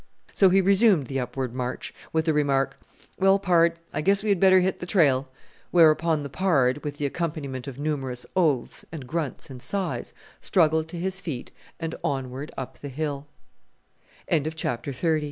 So he resumed the upward march with the remark, "Well, pard, I guess we had better hit the trail," whereupon the pard, with the accompaniment of numerous oaths and grunts and sighs, struggled to his feet and onwar